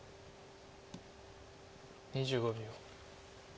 ２５秒。